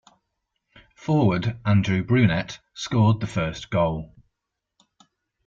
Forward Andrew Brunette scored the first goal.